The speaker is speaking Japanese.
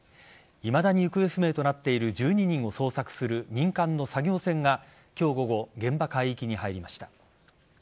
いまだに行方不明となっている１２人を捜索する民間の作業船が今日午後、現場海域に入りました。